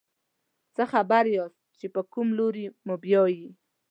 څه خبر یاست چې په کوم لوري موبیايي.